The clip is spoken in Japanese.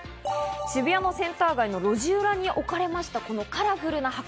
渋谷センター街の路地裏に置かれたこのカラフルな箱。